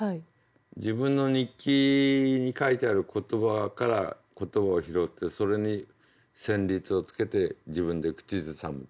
自分の日記に書いてある言葉から言葉を拾ってそれに旋律をつけて自分で口ずさむ。